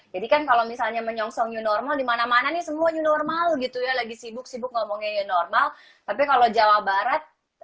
kan kalau misalnya menyongsong new normal dimana mana nih semua new normal gitu ya lagi sibuk sibuk ngomongnya new normal tapi kalau jawa barat